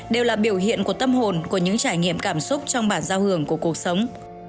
đều là biểu hiện của tâm hồn của những trải nghiệm cảm xúc trong bản giao hưởng của cuộc sống